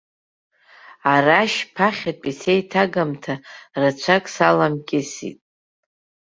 Арашь ԥахьатәи сеиҭагамҭа рацәак саламкьысит.